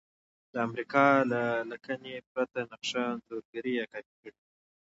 د امریکا له لکنې پرته نقشه انځور یا کاپي کړئ.